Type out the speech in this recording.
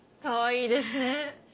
かわいいですね。